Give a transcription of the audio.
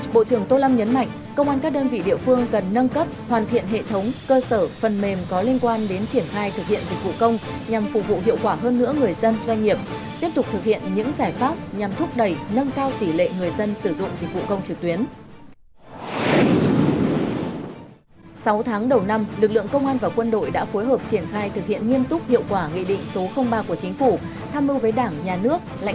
bộ trưởng tô lâm nhấn mạnh công an các đơn vị địa phương cần nâng cấp hoàn thiện hệ thống cơ sở phần mềm có liên quan đến triển khai thực hiện dịch vụ công nhằm phục vụ hiệu quả hơn nữa người dân doanh nghiệp tiếp tục thực hiện những giải pháp nhằm thúc đẩy nâng cao tỷ lệ người dân sử dụng dịch vụ công trực tuyến